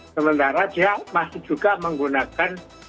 sementara dia masih juga menggunakan